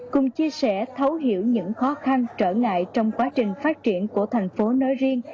cùng chia sẻ thấu hiểu những khó khăn trở ngại trong quá trình phát triển của thành phố nói riêng